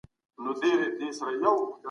شتمن باید د ستونزو په حل کي مرسته وکړي.